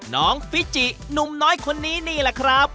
น้องฟิจิหนุ่มน้อยคนนี้นี่แหละครับ